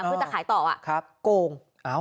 คือจะขายต่อโกง